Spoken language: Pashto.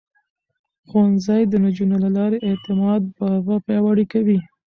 ښوونځی د نجونو له لارې د اعتماد ژبه پياوړې کوي.